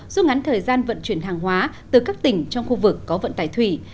giúp ngắn thời gian vận chuyển hàng hóa từ các tỉnh trong khu vực có vận tải thủy